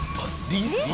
リス！